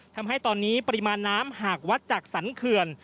ทำให้ตอนนี้ปริมาณน้ำหากวัดจากสรรเขื่อน